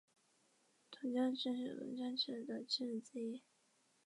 铜将是日本将棋的棋子之一。